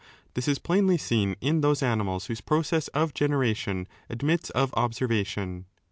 This is plainly seen in those animals whose process of generation admits of observation.